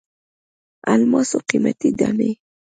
الماسو قیمتي دانې.